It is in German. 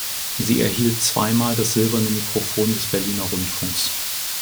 Sie erhielt zweimal das Silberne Mikrophon des Berliner Rundfunks.